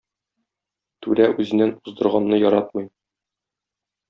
Түрә үзеннән уздырганны яратмый.